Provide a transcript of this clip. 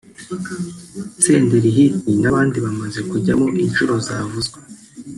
Senderi Hit n’abandi bamaze kujyamo inshuro zavuzwe